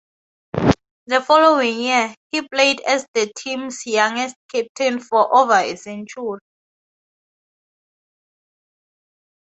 The following year, he played as the team's youngest captain for over a century.